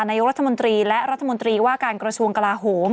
นายกรัฐมนตรีและรัฐมนตรีว่าการกระทรวงกลาโหม